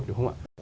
được không ạ